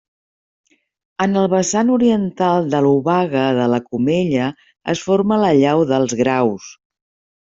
En el vessant oriental de l'Obaga de la Comella es forma la llau dels Graus.